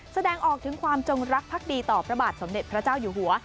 แสดงออกถึงความจงรักภักดีต่อพระบาทสมเด็จพระเจ้าอยู่หัว